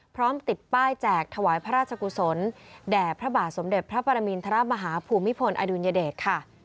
พร้อมติดป้ายแจกถวายพระราชกุศลแด่พระบาทสมเด็จพระปรมินทรมาฮาภูมิพลอดุลยเดชค่ะ